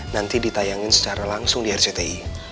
nanti ditayangin secara langsung di rcti